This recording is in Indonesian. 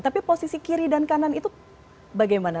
tapi posisi kiri dan kanan itu bagaimana